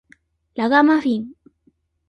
ラガマフィン